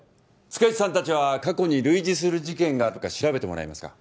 塚地さん達は過去に類似する事件があるか調べてもらえますか？